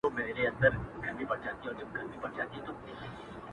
• زما له شرنګه به لړزیږي تر قیامته خلوتونه -